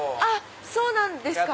そうなんですか。